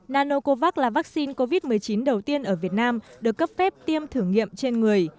nanocovax là vaccine covid một mươi chín đầu tiên ở việt nam được cấp phép tiêm thử nghiệm trên người